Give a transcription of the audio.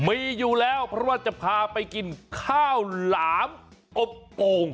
มีอยู่แล้วเพราะว่าจะพาไปกินข้าวหลามอบโอ่ง